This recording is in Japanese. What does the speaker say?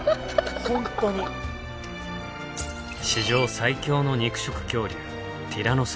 史上最強の肉食恐竜